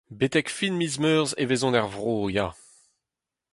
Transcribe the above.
Betek fin miz Meurzh e vezont er vro, ya.